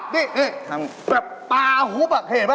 ทอนี่นี่เนี่ยแบบปาหูปากเหตุป่ะ